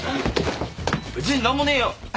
別に何もねえよ。